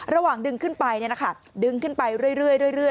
ระหว่างดึงขึ้นไปดึงขึ้นไปเรื่อย